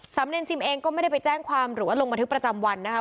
เนรซิมเองก็ไม่ได้ไปแจ้งความหรือว่าลงบันทึกประจำวันนะครับ